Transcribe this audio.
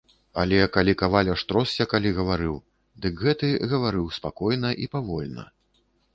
Але калі каваль аж тросся, калі гаварыў, дык гэты гаварыў спакойна і павольна.